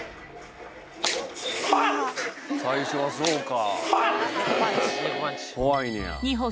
最初はそうか。